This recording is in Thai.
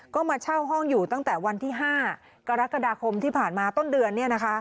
ก็มาเช่าห้องอยู่ตั้งแต่วันที่๕กรกฎาคมที่ผ่านมาต้นเดือน